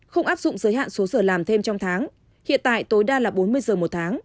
không áp dụng giới hạn số giờ làm thêm trong tháng hiện tại tối đa là bốn mươi giờ một tháng